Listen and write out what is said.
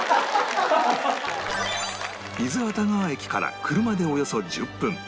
伊豆熱川駅から車でおよそ１０分